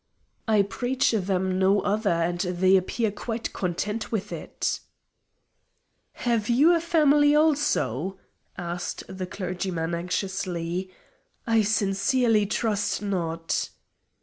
"I preach them no other, and they appear quite content with it." "Have you a family also?" asked the clergyman anxiously; "I sincerely trust not."